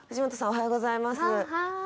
おはようございますはい